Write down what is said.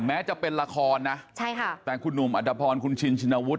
แม้จะเป็นละครนะใช่ค่ะแต่คุณหนุ่มอัตภพรคุณชินชินวุฒิ